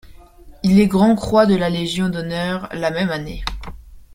Il est grand-croix de la Légion d'honneur la même année.